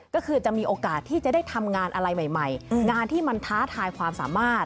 ก็คือจะมีโอกาสที่จะได้ทำงานอะไรใหม่งานที่มันท้าทายความสามารถ